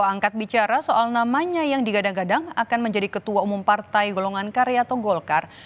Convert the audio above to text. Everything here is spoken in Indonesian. angkat bicara soal namanya yang digadang gadang akan menjadi ketua umum partai golongan karya atau golkar